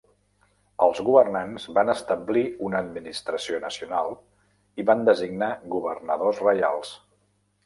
Els governants, va establir una administració nacional i van designar governadors reials.